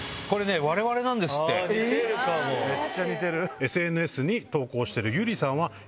めっちゃ似てる！